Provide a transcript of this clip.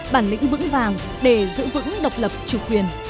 bản lĩnh vững vàng để giữ vững độc lập chủ quyền